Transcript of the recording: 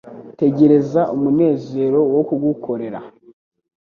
tegereza umunezero wo kugukorera